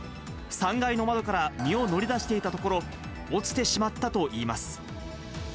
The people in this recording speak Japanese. ３階の窓から身を乗り出していたところ、落ちてしまったといいます。